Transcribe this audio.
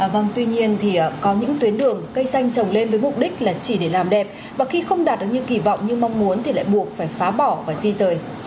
vâng tuy nhiên thì có những tuyến đường cây xanh trồng lên với mục đích là chỉ để làm đẹp và khi không đạt được như kỳ vọng như mong muốn thì lại buộc phải phá bỏ và di rời